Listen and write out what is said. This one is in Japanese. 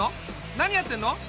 何やってんの？